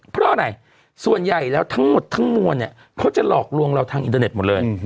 เพราะอะไรส่วนใหญ่แล้วทั้งหมดทั้งมวลเนี่ยเขาจะหลอกลวงเราทางอินเทอร์เน็ตหมดเลย